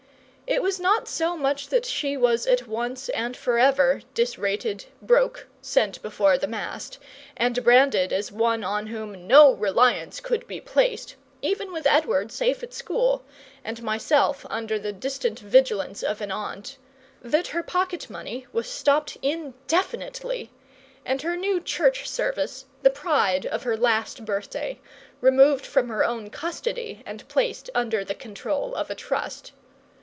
It was not so much that she was at once and forever disrated, broke, sent before the mast, and branded as one on whom no reliance could be placed, even with Edward safe at school, and myself under the distant vigilance of an aunt; that her pocket money was stopped indefinitely, and her new Church Service, the pride of her last birthday, removed from her own custody and placed under the control of a Trust.